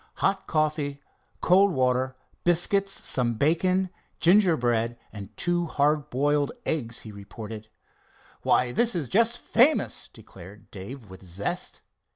"Hot coffee, cold water, biscuits, some bacon, gingerbread and two hard boiled eggs," he reported. "Why, this is just famous," declared Dave with zest.